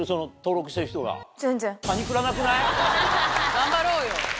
頑張ろうよ。